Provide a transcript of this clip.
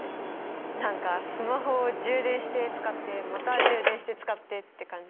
何かスマホを充電して使ってまた充電して使ってって感じ？